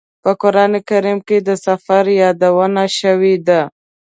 په قران کریم کې د سفر یادونه شوې ده.